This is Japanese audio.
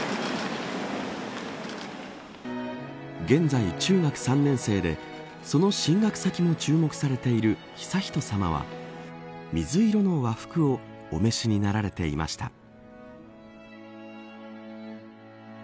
現在中学３年生でその進学先も注目されている悠仁さまは水色の和服をお召しになられていました。